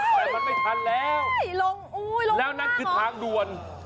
แต่มันไม่ทันแล้วแล้วนั่นคือทางด่วน